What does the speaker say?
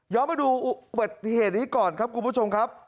มาดูอุบัติเหตุนี้ก่อนครับคุณผู้ชมครับ